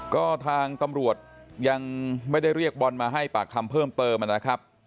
ก็ทางตำรวจยังไม่ได้เรียกบอลมาให้ปากคำเพิ่มเติมนะครับ